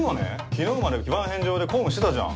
昨日まで非番返上で公務してたじゃん。